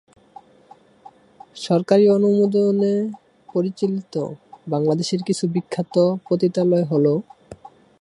সরকারী অনুমোদনে পরিচালিত বাংলাদেশের কিছু বিখ্যাত পতিতালয় হলোঃ